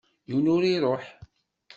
Yiwen ur iṛuḥ.